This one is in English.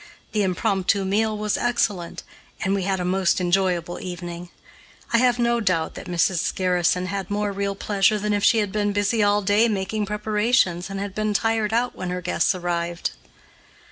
The impromptu meal was excellent, and we had a most enjoyable evening. I have no doubt that Mrs. Garrison had more real pleasure than if she had been busy all day making preparations and had been tired out when her guests arrived.